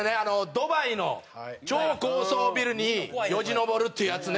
ドバイの超高層ビルによじ登るっていうやつね。